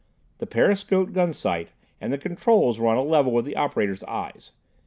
The periscopic gun sight and the controls were on a level with the operator's eyes.